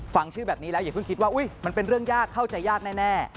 ฟังชื่อแบบนี้แล้วอย่าเพิ่งคิดว่ามันเป็นเรื่องยากเข้าใจยากแน่